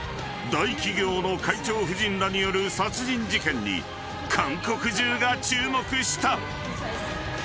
［大企業の会長夫人らによる殺人事件に韓国中が注目した］